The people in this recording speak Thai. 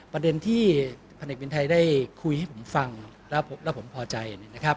ประเด็นที่พันเอกวินไทยได้คุยให้ผมฟังแล้วผมพอใจนะครับ